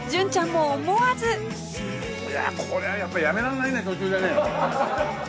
これはやっぱりやめられないね途中でね。